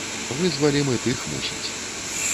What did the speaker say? Вызвалім і тых, мусіць.